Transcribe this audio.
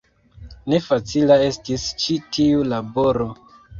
Ne facila estis ĉi tiu laboro.